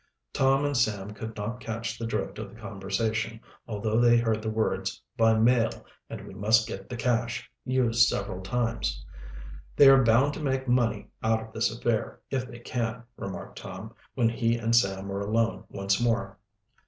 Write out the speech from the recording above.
Tom and Sam could not catch the drift of the conversation, although they heard the words "by mail" and "we must get the cash" used several times. "They are bound to make money out of this affair, if they can," remarked Tom, when he and Sam were alone once more.